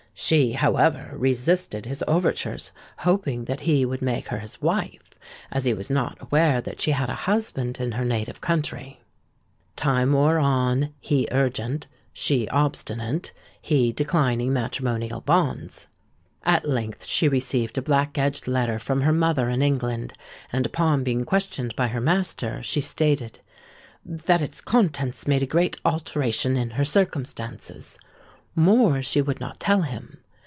She, however, resisted his overtures, hoping that he would make her his wife, as he was not aware that she had a husband in her native country. Time wore on, he urgent—she obstinate,—he declining matrimonial bonds. At length she received a black edged letter from her mother in England; and upon being questioned by her master, she stated 'that its contents made a great alteration in her circumstances.' More she would not tell him.